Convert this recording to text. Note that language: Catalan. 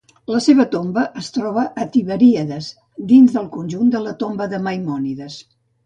La seva tomba es troba a Tiberíades, dins el conjunt de la tomba de Maimònides.